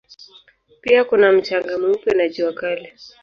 Pia kuna mchanga mweupe na jua kali.